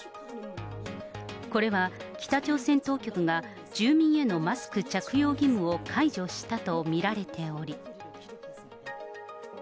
これは北朝鮮当局が、住民へのマスク着用義務を解除したと見られており。